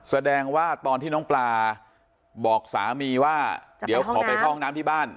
แสดงว่าตอนที่น้องปลาบอกสามีว่าเดี๋ยวขอไปเข้าห้องน้ำที่บ้าน